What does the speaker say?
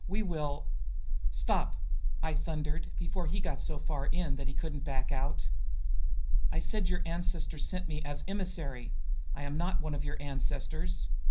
We will " "Stop!" I thundered before he got so far in that he couldn't back out. "I said your ancestors sent me as emissary I am not one of your ancestors.